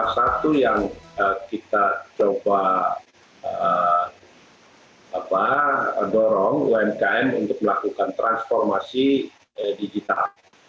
satu yang kita coba dorong umkm untuk melakukan transformasi digital